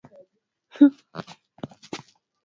weka unga kwenye mchanganyiko wa keki